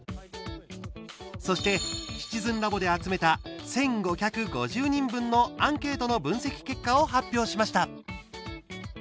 そして「シチズンラボ」で集めた１５５０人分のアンケートの分析結果を発表しました。